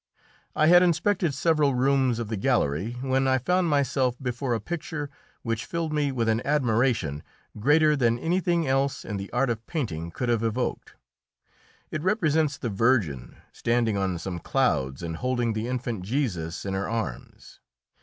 I had inspected several rooms of the gallery, when I found myself before a picture which filled me with an admiration greater than anything else in the art of painting could have evoked. It represents the Virgin, standing on some clouds and holding the infant Jesus in her arms.